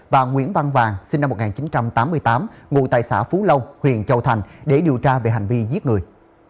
và nguyễn văn vàng sinh năm một nghìn chín trăm tám mươi tám ngụ tại xã phú lâu huyện châu thành để điều tra về hành vi giết người